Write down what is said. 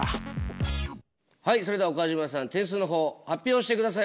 はいそれでは岡島さん点数の方発表してください。